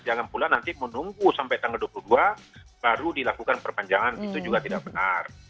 jangan pula nanti menunggu sampai tanggal dua puluh dua baru dilakukan perpanjangan itu juga tidak benar